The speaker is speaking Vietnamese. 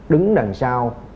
đứng đằng sau